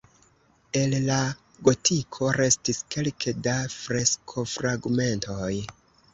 El la gotiko restis kelke da freskofragmentoj.